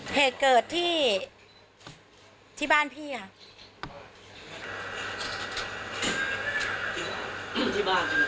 เพศเกิดที่ที่บ้านพี่ค่ะ